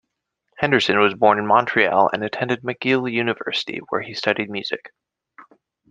Henderson was born in Montreal and attended McGill University where he studied music.